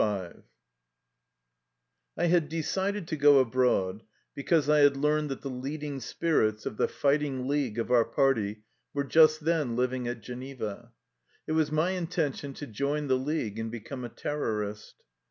124 I HAD decided to go abroad, because I had learned that the leading spirits of the " fighting league " of our party were just then living at Geneva. It was my intention to join the league and become a terrorist.